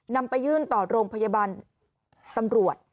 นำไปยื่นต่อโรงพยาบาลตำรวจ